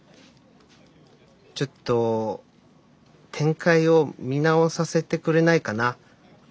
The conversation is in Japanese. ちょっと展開を見直させてくれないかな？